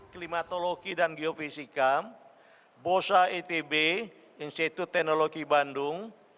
klimatologi dan geofisika bosa etb institut teknologi bandung